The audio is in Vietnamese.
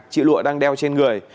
chị lụa đang đeo trên người